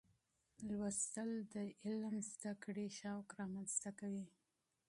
مطالعه د علم د زده کړې شوق رامنځته کوي.